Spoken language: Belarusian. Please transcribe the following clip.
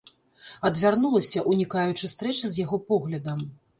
Адвярнулася, унікаючы стрэчы з яго поглядам.